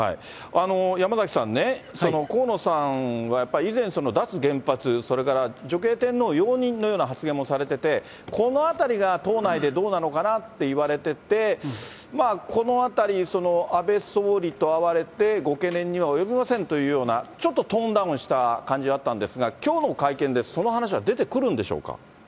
山崎さんね、河野さんはやっぱり、以前、脱原発、それから女系天皇容認のような発言もされてて、このあたりが党内でどうなのかなっていわれてて、このあたり、安倍総理と会われて、ご懸念には及びませんというような、ちょっとトーンダウンした感じはあったんですが、きょうの会見でその話は出てくるんでしょうか。